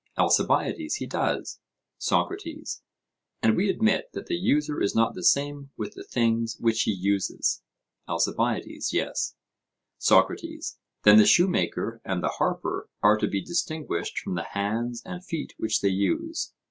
ALCIBIADES: He does. SOCRATES: And we admit that the user is not the same with the things which he uses? ALCIBIADES: Yes. SOCRATES: Then the shoemaker and the harper are to be distinguished from the hands and feet which they use?